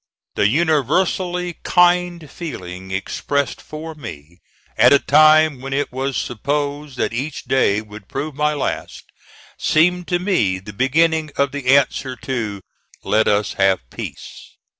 The universally kind feeling expressed for me at a time when it was supposed that each day would prove my last, seemed to me the beginning of the answer to "Let us have peace."